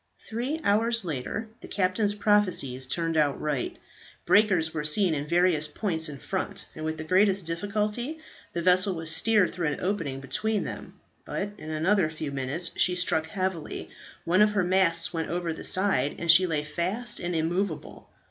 Three hours later, the captain's prophecies turned out right. Breakers were seen in various points in front, and with the greatest difficulty the vessel was steered through an opening between them; but in another few minutes she struck heavily, one of her masts went over the side, and she lay fast and immovable.